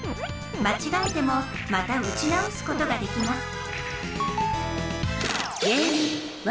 まちがえてもまた撃ち直すことができます